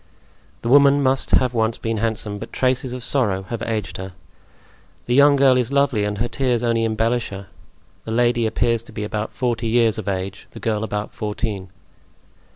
The woman must have once been handsome, but traces of sorrow have aged her. The young girl is lovely and her tears only embellish her; the lady appears to be about forty years of age, the girl about fourteen.